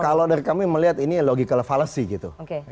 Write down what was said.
kalau dari kami melihat ini logikal falasi gitu